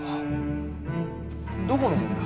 どこのもんだ？